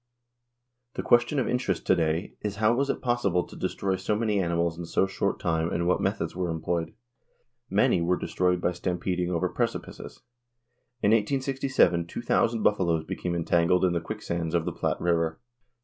The question of interest to day is how was it possible to destroy so many animals in so short a time and what methods were employed? Many were destroyed by stampeding over precipices. In 1867 two thousand buffaloes became entangled in the quicksands of the Platte river.